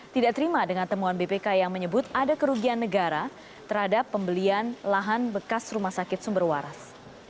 tidak terima dengan temuan bpk yang menyebut ada kerugian negara terhadap pembelian lahan bekas rumah sakit sumber waras